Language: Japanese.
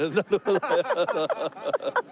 ハハハハ！